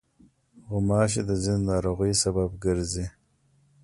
غوماشې د ځینو ناروغیو سبب ګرځي.